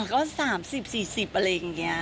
ก็๓๐๔๐อะไรอย่างนี้